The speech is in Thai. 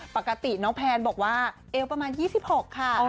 ปกติน้องแพนบอกว่าเอวประมาณ๒๖ค่ะ